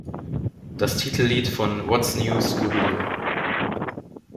Das Titellied von "What’s New, Scooby-Doo?